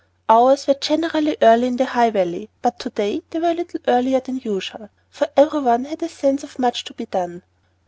Hours were generally early in the High Valley, but to day they were a little earlier than usual, for every one had a sense of much to be done.